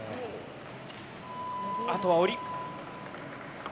あとは下り。